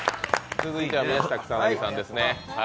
続いては、宮下草薙さんです。